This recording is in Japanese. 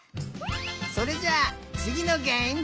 それじゃあつぎのげえむ！